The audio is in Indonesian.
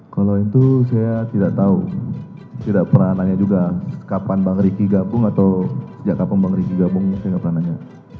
kalau itu saya tidak tahu tidak pernah nanya juga kapan bang riki gabung atau sejak kapan bang riki gabung saya nggak pernah nanya